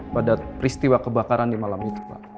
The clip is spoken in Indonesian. pada peristiwa kebakaran di malam itu pak